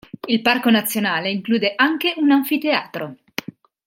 Il Parco Nazionale include anche un anfiteatro.